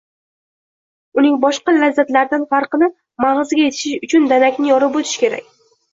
Uning boshqa lazzatlardan farqini ‒ «magʻizga yetishish uchun danakni yorib oʻtish kеrak»